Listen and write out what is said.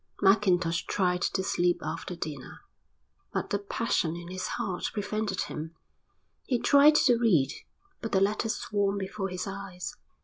Mackintosh tried to sleep after dinner, but the passion in his heart prevented him; he tried to read, but the letters swam before his eyes.